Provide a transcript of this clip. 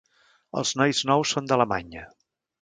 Els nois nous són d'Alemanya.